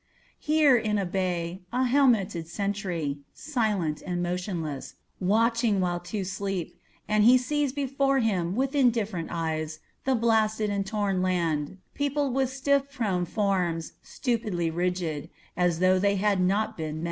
Here in a bay, a helmeted sentry Silent and motionless, watching while two sleep, And he sees before him With indifferent eyes the blasted and torn land Peopled with stiff prone forms, stupidly rigid, As tho' they had not been men.